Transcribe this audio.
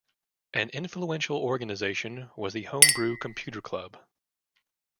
An influential organization was the Homebrew Computer Club.